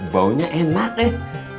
baunya enak eh